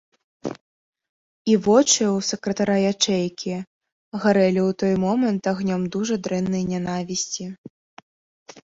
І вочы ў сакратара ячэйкі гарэлі ў той момант агнём дужа дрэннай нянавісці.